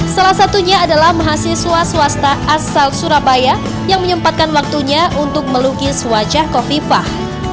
salah satunya adalah mahasiswa swasta asal surabaya yang menyempatkan waktunya untuk melukis wajah kofifah